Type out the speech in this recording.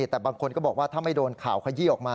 แต่บางคนก็บอกว่าถ้าไม่โดนข่าวขยี้ออกมา